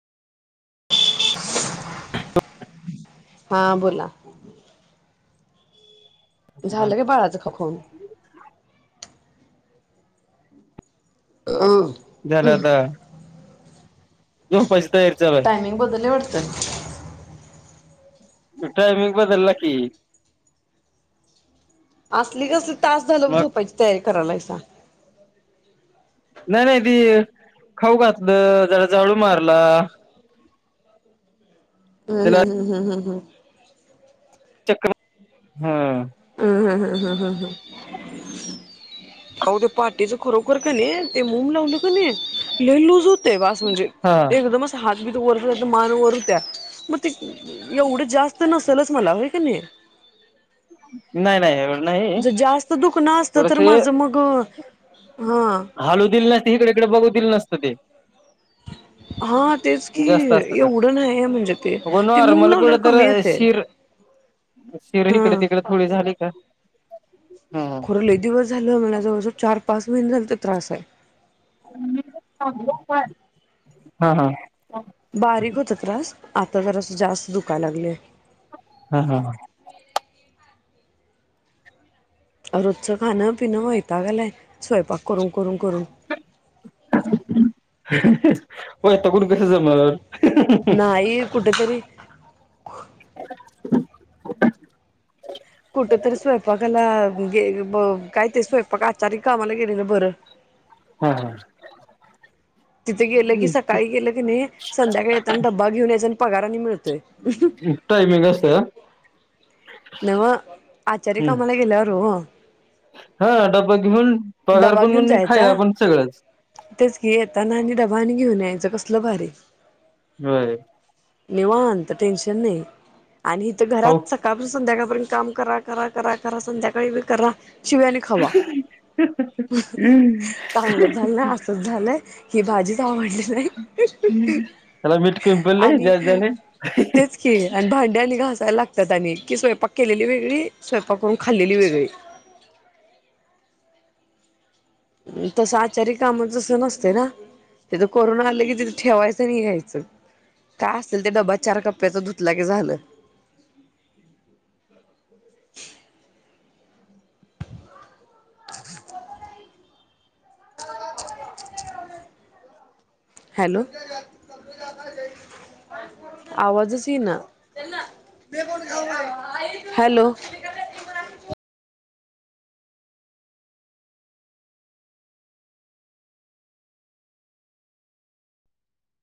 हा बोला झालं का बाळाचं ख खाऊन. अंं झालं आता. जाम पैस टायमिंग बदललय वाटतं. टायमिंग बदलला की, असली कसली, तास झालं मग झोपायची तयारी करायलायसा. नाय नाय, ती खाऊ घातलं, जरा झाडू मारला. हूं हूं त्याला हूं हूं हूं हूं हूं चक्र हा. हं हं हं हं हं हं हं आव त्या पाटीच खरोखर क नै, ते मूम लावल का नै, लय लुज हुत तेव्हा अस म्हणजे हा एकदमच हात बीत वरत जात मान वर हुत्या. मग ते एवढं जास्त नसेलच मला होय का नाई नाय नाय ये जर जास्त दुखन असतं तर माझं मग हा हालू दिलं नसतं. इकडे तिकडं बघू दिल नसतं ते हा, तेच की जास्त असत तर एवढं न्हायहाय म्हणजे ते, मग ते मुम नॉर्मल कुठ लावल्यावर तर कमी येतय. शिर शिर हीकड तिकड थोडी झाली का‌ खरं लय दीवस झालं, मला जवळ जवळ चार पाच महिन झाले तो त्रास हाय. हा हा बारीक होता त्रास, आता जरा स जास्त दुखाय लागलय. हा हा रोजचं खान, पिणं वैताग आलाय स्वयंपाक करून, करून, करून वैताकून कसं जमल नाही कुठं तरी [unintelligible] कुठ तरी स्वयंपाकाला गे ब काय ते स्वयंपाक, आचारि कामाला गेलेल बरं. हा हा तिथे गेलं की सकाळी गेलं की नाई, संध्याकाळी येताना डब्बा घेऊन यायचा आण पगार आनी मिळतोय. टायमिंग असत नव्ह आचारी कामाला गेल्यावर हो हा डब्बा घेऊन पगार डबा घेऊन पण खायला जायचा. पण सगळंच तेच की येताना आणि डबा आणि घेऊन यायचं कसलं भारी होय निवांत टेन्शन नाही आणि हित हो घरात सकाळपासून संध्याकाळपर्यंत काम करा करा करा करा संध्याकाळी बी करा शिव्या आणि खावा. चांगलं झालं ना असच झालंय ही भाजीच आवडली नाही. हयाला मीठ कमी पडलय आणि जा तेच की आणि भांड्या आणि घासायला लाग तात नी की स्वयंपाक केलेली वेगळी स्वयंपाक करून खाल्लेली वेगळी तसं आचारी काम जस नसतय ना तिथं कोरोना आलं की तिथं ठेवायच आणि यायचं. काय असल ते डबा चार कप्प्याच धुतला की झालं. [inaudible] [inaudible] [inaudible] हॅलो आवाजच इना हॅलो